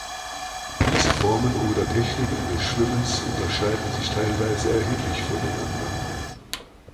Diese Formen oder Techniken des Schwimmens unterscheiden sich teilweise erheblich voneinander.